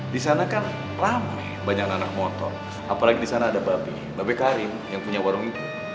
di sana kan rame banyak anak motor apalagi di sana ada babi babe karim yang punya warung itu